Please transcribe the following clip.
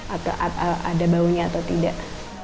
atau ada baunya atau tidak